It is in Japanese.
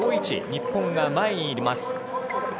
日本が前にいます。